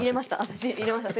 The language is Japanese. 私入れました。